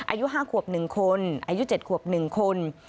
อายุ๕ขวบ๑คนอายุ๗ขวบ๑คน